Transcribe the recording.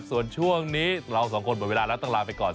ส่วนช่วงนี้เราสองคนหมดเวลาแล้วต้องลาไปก่อน